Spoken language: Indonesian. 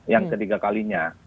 yang ketiga kalinya